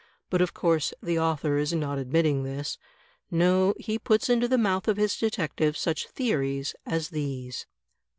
But of course the author is not admitting this. No, he puts into the mouth of his detective such theories as these.